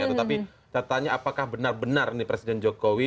tetapi catatannya apakah benar benar ini presiden jokowi